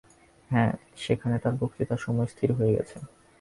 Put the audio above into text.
হ্যাঁ, সেখানে তাঁর বক্তৃতার সময় স্থির হয়ে গেছে।